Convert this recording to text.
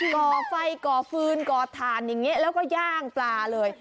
ก่อไฟก่อฟืนก่อถ่านอย่างนี้แล้วก็ย่างปลาเลย